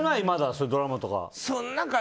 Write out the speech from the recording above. そういうドラマとか。